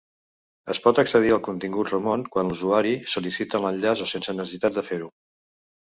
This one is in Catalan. Es pot accedir al contingut remot quan l'usuari selecciona l'enllaç o sense necessitat de fer-ho.